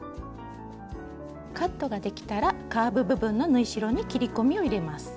カットができたらカーブ部分の縫い代に切り込みを入れます。